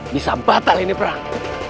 bisa patah ini perang